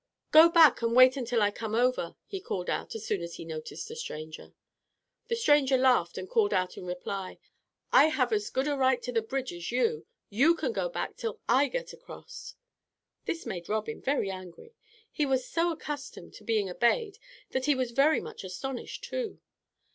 "Go back and wait until I have come over," he called out as soon as he noticed the stranger. The stranger laughed, and called out in reply, "I have as good a right to the bridge as you. You can go back till I get across." This made Robin very angry. He was so accustomed to being obeyed that he was very much astonished too.